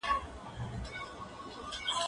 زه سبا ته فکر نه کوم؟